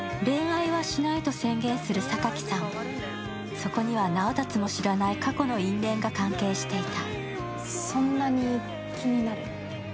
そこには直達も知らない過去の因縁が関係していた。